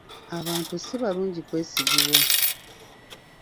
Abantu si balungi kwesigibwa.